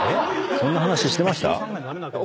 そんな話してました？